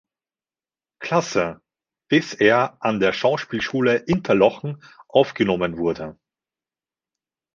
Klasse, bis er an der Schauspielschule "Interlochen" aufgenommen wurde.